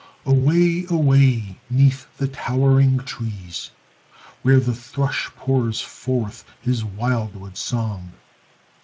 Away, away 'neath the towering trees, Where the thrush pours forth his wildwood song.